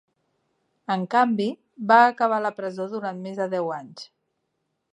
En canvi, va acabar a la presó durant més de deu anys.